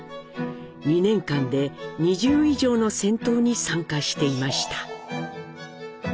２年間で２０以上の戦闘に参加していました。